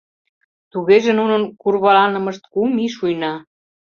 — Тугеже нунын курваланымышт кум ий шуйна...